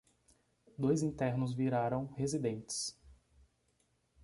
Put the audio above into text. Dois internos viraram residentes